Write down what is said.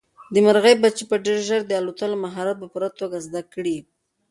د مرغۍ بچي به ډېر ژر د الوتلو مهارت په پوره توګه زده کړي.